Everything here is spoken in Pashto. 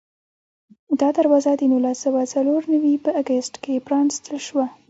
دا دروازه د نولس سوه څلور نوي په اګست کې پرانستل شوه.